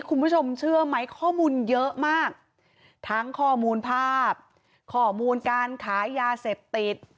คุณผู้ชมเชื่อไหมข้อมูลเยอะมากทั้งข้อมูลภาพข้อมูลการขายยาเสพติด